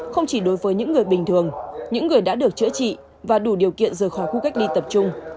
không chỉ đối với những người bình thường những người đã được chữa trị và đủ điều kiện rời khỏi khu cách ly tập trung